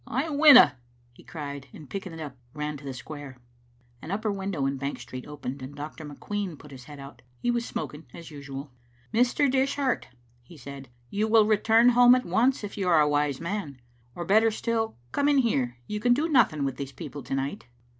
" I winna, " he cried, and, picking it np, ran to the square. An upper window in Bank Street opened, and Dr. McQueen put out his head. He was smoking as usual. "Mr. Dishart," he said, "you will return home at once if you are a wise man; or, better still, come in here. You can do nothing with these people to night."